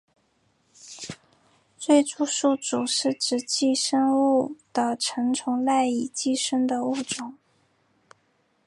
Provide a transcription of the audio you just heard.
最终宿主是指寄生物的成虫赖以寄生的物种。